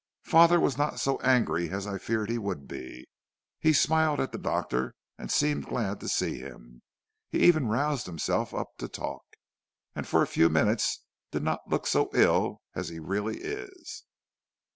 "'Father was not so angry as I feared he would be. He smiled at the doctor and seemed glad to see him. He even roused himself up to talk, and for a few minutes did not look so ill as he really is.'